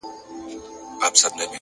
لوړ لید لوري لوی بدلون راولي،